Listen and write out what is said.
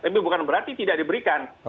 tapi bukan berarti tidak diberikan